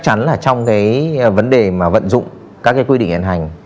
trong vấn đề vận dụng các quy định hiện hành